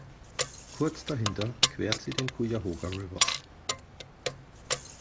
Kurz dahinter quert sie den Cuyahoga River.